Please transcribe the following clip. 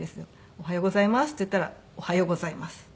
「おはようございます」って言ったら「おはようございます」。